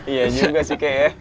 iya juga sih kayak ya